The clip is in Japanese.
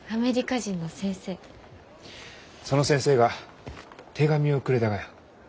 その先生が手紙をくれたがよ。